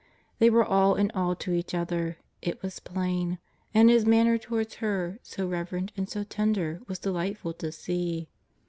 They were all in all to each other, it was plain, and His manner towards her, so reverent and so tender, was delightful to see.